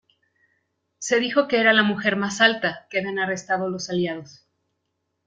Se dijo que era la mujer más alta que habían arrestado los Aliados.